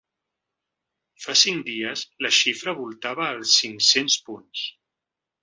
Fa cinc dies la xifra voltava els cinc-cents punts.